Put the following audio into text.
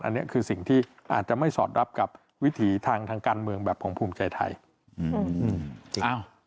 อันนี้คือสิ่งที่อาจจะไม่สอดรับกับวิถีทางการเมืองแบบของภูมิใจไทย